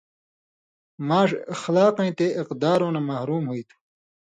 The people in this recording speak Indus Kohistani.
ماݜ اخلاق یی تے اقدارؤں نہ محروم ہُوئ تُھو